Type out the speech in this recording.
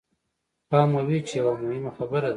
پام مو وي چې يوه مهمه خبره ده.